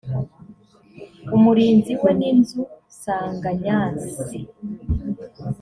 umurinzi we n inzu nsanganyasi